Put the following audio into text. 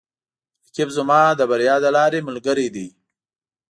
رقیب زما د بریا د لارې ملګری دی